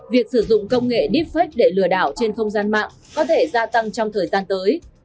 việc sử dụng công nghệ deepfake để lừa đảo trên không gian mạng có thể gia tăng trong thời gian tới